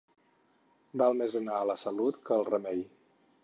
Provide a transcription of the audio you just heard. Val més anar a la Salut que al Remei.